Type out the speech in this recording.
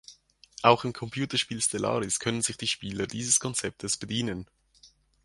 Auch im Computerspiel Stellaris können sich die Spieler dieses Konzeptes bedienen.